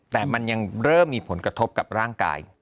แต่มันยังเริ่มมีผลกระทบกับร่างกาย